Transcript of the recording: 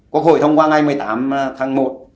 quốc hội thông qua ngày một mươi tám tháng một